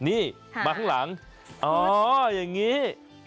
นี่มาข้างหลังอ๋ออย่างนี้